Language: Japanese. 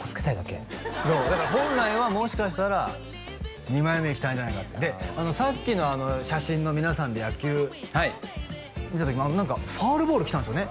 そうだから本来はもしかしたら二枚目いきたいんじゃないかってさっきの写真の皆さんで野球見た時も何かファウルボールきたんですよね